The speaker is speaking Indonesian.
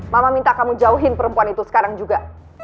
mama minta kamu jauhin perempuan itu sekarang juga